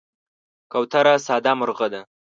کوتره ساده مرغه ده.